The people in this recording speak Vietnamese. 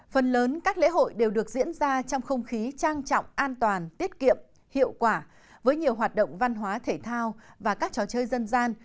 phần lớn các lễ hội đều được diễn ra trong không khí trang trọng an toàn tiết kiệm hiệu quả với nhiều hoạt động văn hóa thể thao và các trò chơi dân gian